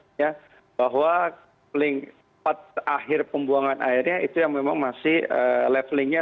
jadi ya bahwa link empat akhir pembuangan airnya itu yang memang masih levelingnya